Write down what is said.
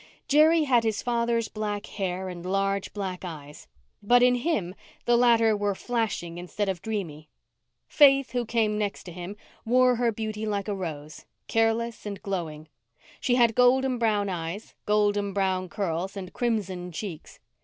Jerry had his father's black hair and large black eyes, but in him the latter were flashing instead of dreamy. Faith, who came next to him, wore her beauty like a rose, careless and glowing. She had golden brown eyes, golden brown curls and crimson cheeks.